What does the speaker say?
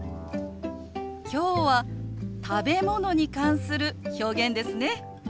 今日は食べ物に関する表現ですね。